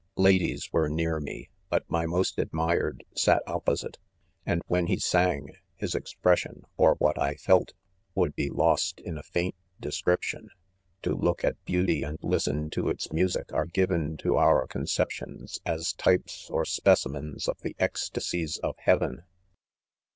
Ladies were near me, but my most admired sat opposite 5 and when he sang — his expression, or what I felt, would be lost in a faint description. To look at beauty, and lis ten to its music, are given to our conceptions as types or specimens of the ecstacies of .hea ven.